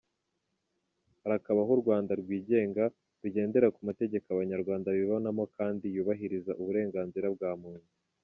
Harakabaho u Rwanda rwigenga, rugendera ku mategeko abanyarwanda bibonamo kandi yubahiriza uburenganzira bwa muntu.